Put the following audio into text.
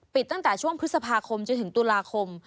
ตั้งแต่ช่วงพฤษภาคมจนถึงตุลาคม